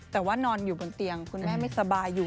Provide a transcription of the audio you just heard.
แต่ว่านอนอยู่บนเตียงคุณแม่ไม่สบายอยู่